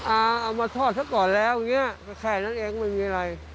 อาเอามาทอดซะก่อนแล้วแค่นั้นเองมันไม่มีอะไร